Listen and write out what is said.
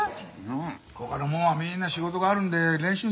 他のもんはみんな仕事があるんで練習出れんでな。